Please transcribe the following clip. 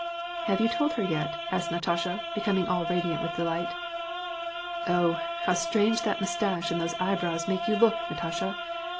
" Have you told her yet ?" asked Natasha, becoming all radiant with delight. " Oh, how strange that mustache and those eyebrows make you look, Natasha